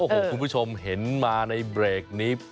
โอ้โหคุณผู้ชมเห็นมาในเบรกนี้